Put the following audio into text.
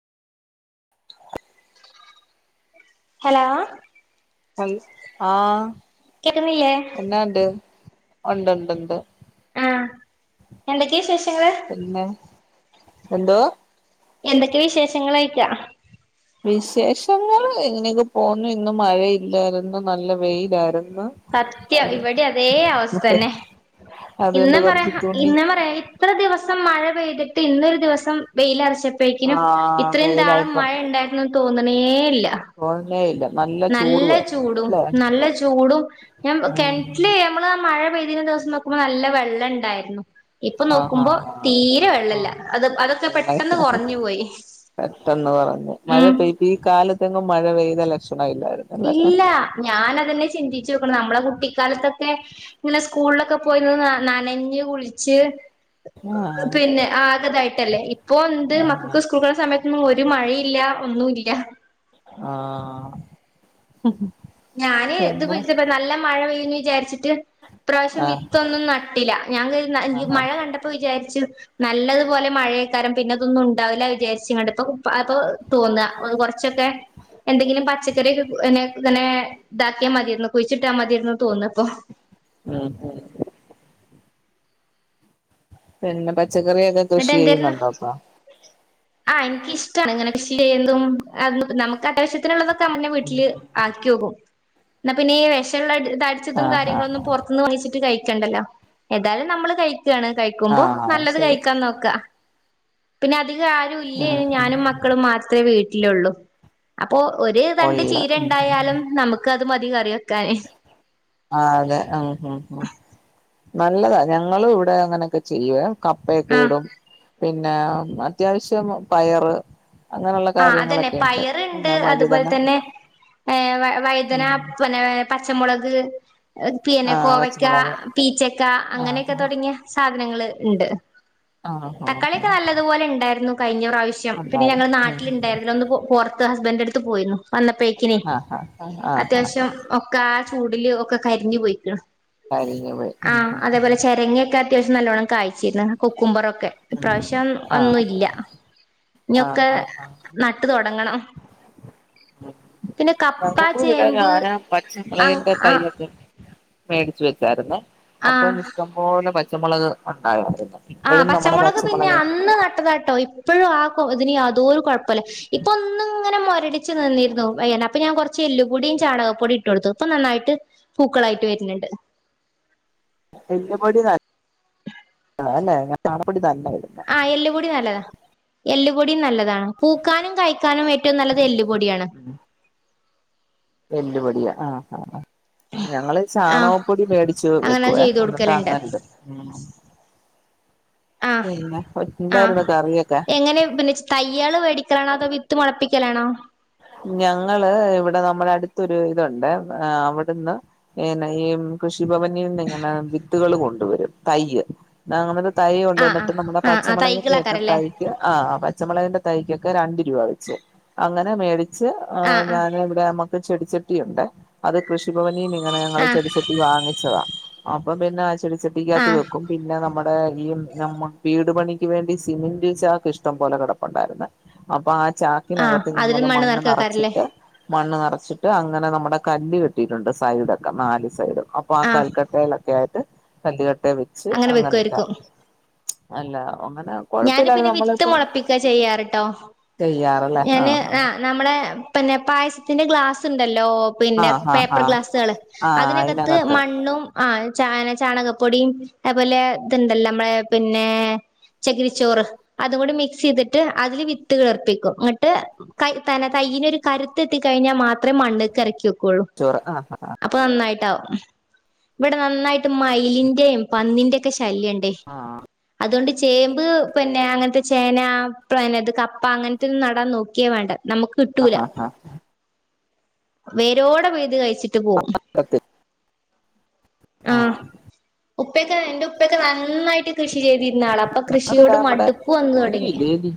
Hello ആ കേക്കുന്നില്ലേ എന്നാണ്ട് ഉണ്ട് ഉണ്ട് ഉണ്ട് ആ എന്തൊക്കെയാ വിശേഷങ്ങള് പിന്നെ എന്തോ എന്തൊക്കെ വിശേഷങ്ങളോയിക്കാ വിശേഷങ്ങൾ എങ്ങനെയൊക്കെ പോന്നുന്നു ഇന്ന് മഴയില്ലായിരുന്നു നല്ല വെയിലായിരുന്നു സത്യം ഇവിടെ അതേ അവസ്ഥ തന്നെ ഇന്ന അതുകൊണ്ട് കൊറച്ച് പറയാ തുണി ഇന്ന പറയാ ഇത്ര ദിവസം ദിവസം മഴ പെയ്തിട്ട് ഇന്നൊരു ദിവം വെയിലറച്ച പ്പേക്കിനും ആഹ് ഇത്രയും നാളുംമഴ ഉണ്ടായിരുന്നു തോന്നണേല്ല തോന്നണേ ഇല്ല നല്ല ചൂടുവായിരുന്നു ചൂടും അല്ലേ നല്ല ചൂടും ഞ ഉം കിണറ്റില്്യ നമ്മള് ആ മഴ പെയ്തിന ദിവസം നോക്കുമ്പോ നല്ല വെള്ളം ഇണ്ടായിരുന്നു ഇപ്പൊ ആഹ് നോക്കുമ്പോ ആഹ് ആഹ് തീരെ വെള്ളല്ല ആഹ് അത് അതൊക്കെ പെട്ടെന്ന് കുറഞ്ഞ പോയി ഉം ത്തങ്ങും മഴ പെയ്തലക്ഷ ഇല്ല ഞാനതെന്നെ ചിന്തി ച്ചു നമ്മടെ കുട്ടിക്കാലത്തൊക്കെ ഇങ്ങനെ സ്കൂളിലൊക്കെ പോയി നനഞ്ഞ് കുളിച്ച് ആഹ് പിന്നെ ആഗതായിട്ടല്ലേ ഇപ്പൊ എന്ത് ആഹ് മക്കൾക്ക് സ്കൂൾ സമയത്ത് ഒരു മഴയില്ല ഒന്നുംല്ല ആ ഞാന് ഇത് വിളിച്ചപ്പം നല്ല മഴ പെയ്യ വിചരിച്ചു പ്രാവശ്യം ആഹ് വിത്തൊന്നും നട്ടില്ല ഞ ആഹ് ആഹ് മഴ കണ്ടപ്പോ വിചാരി ച്ചു. നല്ലതുപോലെ മഴയെക്കാരം പിന്നെതൊന്നും ഉണ്ടാവില്ല വിചാരിച്ചുങ്ങണ്ട് ഇപ്പ അപ്പൊ തോന്നാ കുറച്ചൊക്കെ എന്തെങ്കിലും പച്ചക്കറി റൊക്കെെ അങ്ങനെ ഇതാക്കിയാൽ മതിരുന്നു കുഴിച്ചിട്ടാ മതിന്ന് തോന്നാ ഇപ്പൊ ഉം ഉം ഉം പിന്നെ പറ്റ പച്ചക്കറിയൊക്കെ കൃഷി ചെയ്യുന്നുണ്ടോപപ്പോ ആ എനിക്ക് ഇഷ്ടമാണ് ഇങ്ങനെ കൃഷി ചെയന്തും നമുക്ക് അത്യാവശ്യ ള്ളതൊക്കെ നമ്മെ വീട്ടില് ആക്കിയൊക്കും ഇന്നാ പിന്നെ ഈ വിഷള്ളത് ആഹ് തടിച്ചതുംകാര്യങ്ങളൊന്നും ആഹ് പുറത്ത്ന്ന് വങ്ങിച്ചിട്ട് കഴിക്ക ണ്ടല്ലോ എതായാലും നമ്മള് ക ക്കാണ് കഴിക്കുമ്പോ ആഹ് നല്ലത് ശരി കഴി ക്ക പിന്നെ അ അധിക ആരും ഇല്ലേ ഉം ഉം ഞാനും മക്കളും മാത്രേ വീട്ടി ലുള്ളൂ അ അപ്പോ ഒരു തണ്ട് കൊള്ള ചീര ഉം ഉണ്ടായാലും നമുക്ക് അത് മതി കറി വെക്കാൻ ആ അതെ ഉം ഉം ഉം നല്ലതാ ഞങ്ങളും ഇവിടെ അങ്ങനൊക്കെ ചെയ്യുവേ കപ്പയൊക്കെ ആഹ് ഇടും പി ന്നെ അത്യാവശ്യം പയറ് അങ്ങനെയുള്ള ആ അതന്നെ കാര്യങ്ങളൊക്കെ ഉണ്ട് പയറ്ണ്ട് പിന്നെ അതുപോൽ വഴുതന തന്നെ ഏ വ വയ്തന ഉം പിന്നെ പച്ചമൊളക് പിന്നെ ആഹ് കോവയ്ക്ക പച്ചമുളക് പീച്ച ക്ക അങ്ങനെയൊക്കെ ആഹ് തൊടങ്ങിയ സാധനങ്ങള് ഇണ്ട് ആഹ് ആഹ് തക്കാളിയൊക്കെ നല്ലതുപോലെ ഇണ്ടാരുന്നു കയിഞ്ഞ പ്രാവശ്യം പിന്നെ ഞങ്ങൾ ഉണ്ടായിരുന്നു നാ ഉം ലിണ്ടാരുന്നോന്ന് പൊ പൊറത്ത് ഹസ് ബൻഡന്റടുത്ത് പോയിരുന്നു വന്നപ്പേക്കിന് ആഹ് ആഹ് ആഹ് ആഹ് അത്യാവശ്യം ഒക്കെ ചൂടിൽ ഒക്കെ കരിഞ്ഞു പോയിക്കണ് കരിഞ്ഞു പോയി ആ ഉം ഉം അതേപോലെ ചെരങ്ങക്കെ അത്യാശ്യം നല്ലോണ്ണം കായ്ച്ചിരുന്നു കുക്കുമ്പർ ഒക്കെ ഇപ്രാശ്യം ആഹ് ഒന്നുല്ല ആഹ് ഇനിയൊക്കെ ആഹ് ആഹ് നട്ട് തൊടങ്ങണം പിന്നെ കപ്പ ഞങ്ങക്കും ഇവടെ ചേമ്പ് ഞാന് അ പച്ചമോളകിന്റെ ആ തയ്യൊക്കെ മേടിച്ചു വെച്ചാരുന്നെ ആ അപ്പം ഇഷ്ടം പോലെ പ ച്ചമോളക് ഒണ്ടായോണ്ട് ആ പച്ചമോളക് പിന്നെ അന്ന് നട്ടതാട്ടോ ഇപ്പഴും ആ ക്കോ ഇതിന് യാതോരു കൊഴപ്പ ല്ല ഇപ്പൊ ഒന്നും ഇങ്ങനെ മൊരടി ച്ചു നിന്നിരുന്നു വയ്യാണ്ട് അപ്പം ഞാൻ കൊറ ച്ച് എല്ലുപ്പൊടിയും ചാണകപ്പൊടിയും ഇട്ട് കൊടുത്തു ഇപ്പൊ നന്നായിട്ട് പൂക്കളായിട്ട് വര്ണ് ണ്ട് എല്ലുപൊടി ന തല്ലേ ഞാൻ ചാണപ്പൊടി ത ആ എല്ല്പ്പൊടി നല്ലതാ. എല്ല് പൊടിയും നല്ലതാണ്. പൂക്കാനും കായ് ക്കാനും ഏറ്റവും നല്ലത് എല്ല് പൊടിയാണ്. എല്ല് പൊടിയോ ആ ആ ആ ഞങ്ങള് ആ ചാണകപ്പൊടി മേടിച്ചു അങ്ങനെ വെക്കുവേ. ചെയ്തു അന്നട്ട് കൊടുക്കലുണ്ട് അങ്ങനിടും ഉം ആ പിന്നെ ആ എന്തായിരുന്നു കറിയൊക്കെ എങ്ങനെ പിന്നെ തൈയ്യാള് വേടിക്ക്ണതാണോ അതോ വി ത്ത് മുളപ്പിക്കലാണോ ഞങ്ങള് ഇവിടെ നമ്മടെ അടുത്തൊരു ഇതുണ്ട്. അവിടുന്ന് പിന്നെ ഈ കൃഷിഭവനിന്ന് ഇങ്ങനെ വിത്തുകൾ കൊണ്ടുവരും. തൈയ്യ് [unintelligible] തൈ ആ ആ കൊണ്ടുവന്നിട്ട് നമ്മുടെ ആ ആ പച്ചമുളകിന്റെ ഒക്കെ തൈകളാക്കാരല്ലേ തൈക്ക് ആ പച്ചമുളകിന്റെ തൈയ്ക്കൊക്കെ രണ്ടി [unintelligible] അങ്ങനെ മേടി ച്ച് ഏഹ് ആഹ് ആഹ് ഞാനിവിടെ മ ചെടിച്ചട്ടിയുണ്ട് അത് കൃഷ് ഷി ഭവനിങ്ങനെ ഞങ്ങള് ആഹ് ചെടി ചട്ടി വാങ്ങിച്ചതാ അപ്പൊ പിന്നെ ആ ച്ചെടി ച്ചട്ടിക്കകത്ത് ആഹ് വെക്കും. പിന്നെ നമ്മടെ ഈ നമ്മ വീടു പണി വേണ്ടി സിമന്റ് ചാക്ക് ഇഷ്ടം പോലെ കിടപ്പുണ്ടായിരുന്നു. അപ്പ ആ ചാക്കിനക ആഹ് അതിലും മണ്ണ് നിറക്കാകാരം ലേ മണ്ണ് നിറച്ചിട്ട് അങ്ങനെ നമ്മടെ കല്ല് കെട്ടിയിട്ടുണ്ട്. സൈഡൊക്കെ നാല് സൈഡും. അപ്പൊ ആ ആഹ് കൽക്കട്ടയിലൊക്കെ ആയിട്ട് [unintelligible] തേവിച്ച് അങ്ങനെ അങ്ങനൊക്കെ വെക്കുവായിരിക്കും അല്ല അങ്ങനെ ഞാന് കൊഴപ്പില്ലായിരുന്നു പിന്നെ വിത്ത് നമ്മളിപ്പോ മൊളപ്പിക്ക ചെയ്യാറ്ട്ടോ ചെയ്യാറല്ലേ [unintelligible] ഞാന് ആഹ് ആ നമ്മളെ പിന്നെ പായസത്തിന്റെ ഗ്ലാസ് ഉണ്ട ല്ലോ ആ പിന്നെ ആഹ് ആഹ് പേപ്പർ ആഹ് ഗ്ലാസ്കള്. ആഹ് അതിനകത്ത് അയിനകത്ത് മണ്ണും ആ ചാ ചാണകപ്പൊടിയും അതുപോലെ ഇതുണ്ടല്ല നമ്മളെ പിന്നെ ചകിരിച്ചോറ് അതും കൂടി മിക്സ് ചെയ്തിട്ട് അതില് വിത്ത് കിളർപ്പിക്കും ങ്ങട്ട് കൈ ത തന തൈയ്യ്നൊരു കരുത്ത് എത്തി കഴിഞ്ഞാൽ മാത്ര മണ്ണ്ക്ക് ഇറക്കിവെക്കു. പ്പഴും ചോറ് ആഹ് അപ്പൊ നന്നായിട്ടാവും ഇവിടെ നന്നായിട്ട് മയിലിൻ്റേയും പന്നിന്റെക്കെ ശ ല്ല്യണ്ടേ ആഹ് ആഹ് അതുകൊണ്ട് ചേമ്പ് പിന്നെ അങ്ങനത്തെ ചേന പിന്നെത് കപ്പ അങ്ങനത്തെന്നും നടാൻ നോക്കിയേ വേണ്ട നമുക്ക് കിട്ടൂല ആഹ് ആഹ് വേരോടെ പിഴുത് കഴി ച്ചിട്ട് പോവും ആഹ് ഉപ്പയൊക്കെ എന്റെ ഉപ്പയൊക്കെ നന്നായിട്ട് കൃഷി ചെയ്തിര്ന്ന ആളാം പ്പൊ അത് കൃഷിയോട് നമ്മുടെ മട്പ്പ് വന്ന് തൊടങ്ങി ഇലിയില്ലേ എലി